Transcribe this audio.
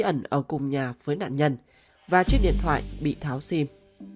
trong đó đáng lưu ý là người đàn ông bí ẩn ở cùng nhà với nạn nhân và chiếc điện thoại bị tháo sim